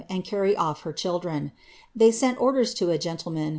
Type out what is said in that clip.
67 LlLgn :n, and carry off her children. They sent orders to a gentleman.